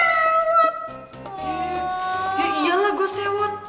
eh ya iyalah gue sewot